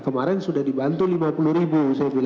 kemarin sudah dibantu lima puluh ribu